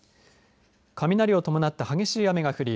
雷を伴った激しい雨が降り